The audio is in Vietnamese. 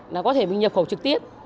là có thể mình nhập khẩu trực tiếp